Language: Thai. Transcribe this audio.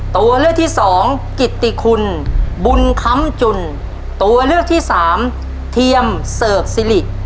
ตัวเลือกที่สองกิตติคุณบุญคำจุ่นตัวเลือกที่สามเทียมเสิร์กสิริ